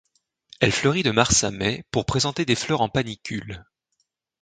Elle fleurit de mars à mai pour présenter des fleurs en panicules.